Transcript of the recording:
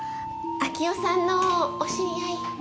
明代さんのお知り合い。